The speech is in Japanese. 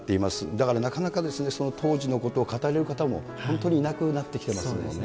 だからなかなか、その当時のことを語れる方も、本当にいなくなってきていますものね。